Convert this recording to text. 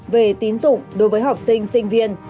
về tín dụng đối với học sinh sinh viên